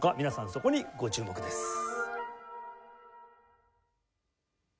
皆さんそこにご注目です。